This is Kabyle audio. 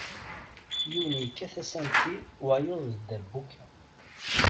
Yiwen yekkat asanti wayeḍ d dderbuka.